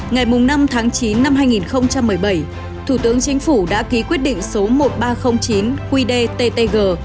ngày năm tháng chín năm hai nghìn một mươi bảy thủ tướng chính phủ đã ký quyết định số một nghìn ba trăm linh chín qdttg